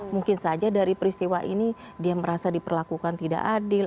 mungkin saja dari peristiwa ini dia merasa diperlakukan tidak adil